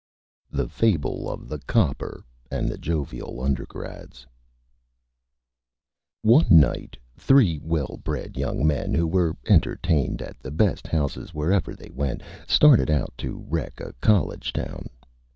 _ THE FABLE OF THE COPPER AND THE JOVIAL UNDERGRADS One Night three Well Bred Young Men, who were entertained at the Best Houses wherever they went, started out to Wreck a College town.